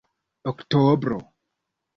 oktobro